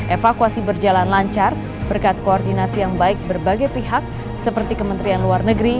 evakuasi berjalan lancar berkat koordinasi yang baik berbagai pihak seperti kementerian luar negeri